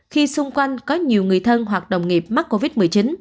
khi xung quanh có nhiều người thân hoặc đồng nghiệp mắc covid một mươi chín